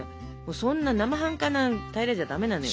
そんななまはんかな平らじゃ駄目なのよ。